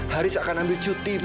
haris akan ambil cuti